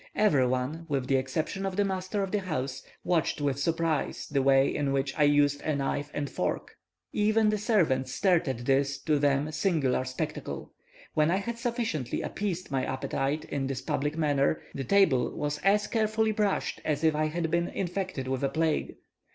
Everyone, with the exception of the master of the house, watched with surprise the way in which I used a knife and fork; even the servants stared at this, to them, singular spectacle. When I had sufficiently appeased my appetite in this public manner, the table was as carefully brushed as if I had been infected with the plague.